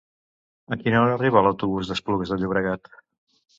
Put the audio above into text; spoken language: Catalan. A quina hora arriba l'autobús d'Esplugues de Llobregat?